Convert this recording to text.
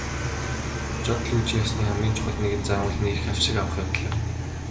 Жод лүйжин ёсны хамгийн чухал нэгэн зан үйл нь эрх авшиг авах явдал юм.